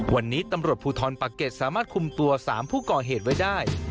วันนี้ตำรวจภูทรปะเก็ตสามารถคุมตัว๓ผู้ก่อเหตุไว้ได้